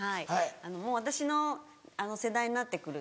あのもう私の世代になって来ると。